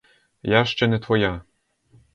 Я ще не твоя.